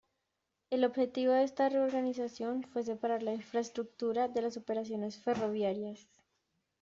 El objetivo de esta reorganización fue separar la infraestructura, de las operaciones ferroviarias.